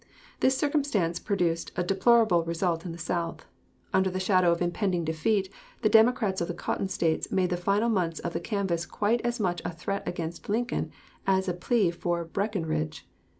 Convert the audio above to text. This circumstance produced a deplorable result in the South. Under the shadow of impending defeat the Democrats of the Cotton States made the final months of the canvass quite as much a threat against Lincoln as a plea for Breckinridge.